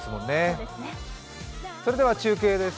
それでは中継です